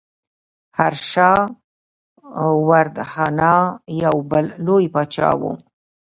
هرشا وردهنا یو بل لوی پاچا و.